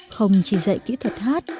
không chỉ dạy kỹ thuật hát